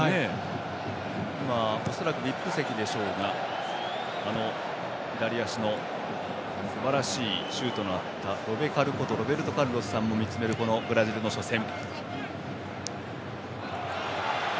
恐らくＶＩＰ席に左足のすばらしいシュートがあった、ロベカルことロベルト・カルロスさんが見つめるブラジルの初戦。